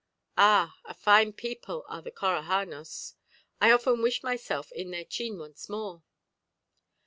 Ah! a fine people are the Corahanós; I often wish myself in their chim once more."